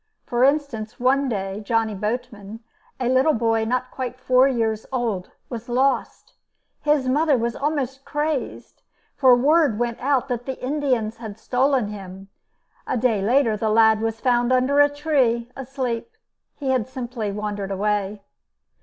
For instance, one day Johnny Boatman, a little boy not quite four years old, was lost. His mother was almost crazed, for word went out that the Indians had stolen him. A day later the lad was found under a tree, asleep. He had simply wandered away.